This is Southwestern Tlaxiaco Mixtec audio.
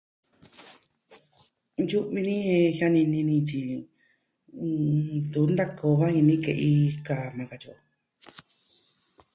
Yu'vi ni, jen jianini ni tyi, ntuvi ntaka o va jini ke'i kaa iña, katyi o.